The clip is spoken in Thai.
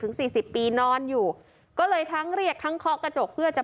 สี่สิบปีนอนอยู่ก็เลยทั้งเรียกทั้งเคาะกระจกเพื่อจะ